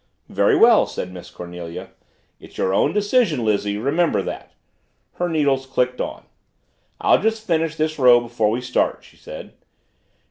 "Very well," said Miss Cornelia, "it's your own decision, Lizzie remember that." Her needles clicked on. "I'll just finish this row before we start," she said.